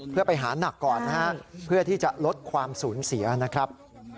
เพื่อไปหานักก่อนนะฮะเพื่อที่จะลดความสูญเสียนะครับ